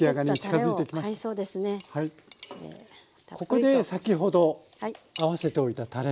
ここで先ほど合わせておいたたれですね。